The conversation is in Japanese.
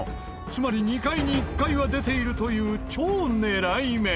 つまり２回に１回は出ているという超狙い目！